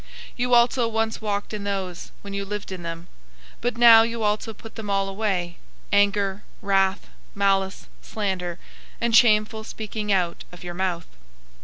003:007 You also once walked in those, when you lived in them; 003:008 but now you also put them all away: anger, wrath, malice, slander, and shameful speaking out of your mouth.